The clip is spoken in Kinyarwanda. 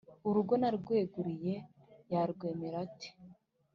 urugo namweguriye yarwemera ate ?